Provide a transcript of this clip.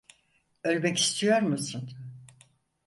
Ölmek istiyor musun?